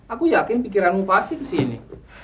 aku yakin pikiranmu pasti kesini